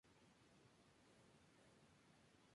Romero Rojas es un ejemplo de ello.